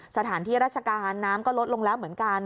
สถานที่ราชการน้ำก็ลดลงแล้วเหมือนกัน